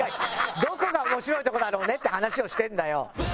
どこが面白いとこだろうねって話をしてるんだよ！